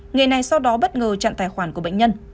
người này sau đó bất ngờ chặn tài khoản của bệnh nhân